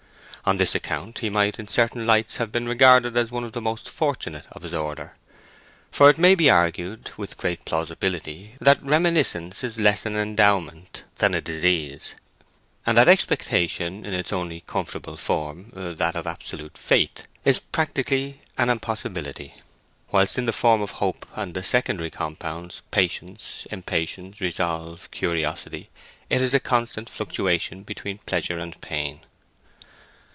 On this account he might, in certain lights, have been regarded as one of the most fortunate of his order. For it may be argued with great plausibility that reminiscence is less an endowment than a disease, and that expectation in its only comfortable form—that of absolute faith—is practically an impossibility; whilst in the form of hope and the secondary compounds, patience, impatience, resolve, curiosity, it is a constant fluctuation between pleasure and pain.